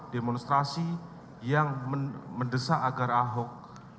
demonstrasi yang mendesak agar ahok